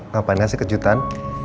ngapain kasih kejutan